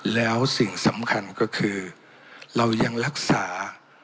แล้วสิ่งสำคัญก็คือเรายังรักษา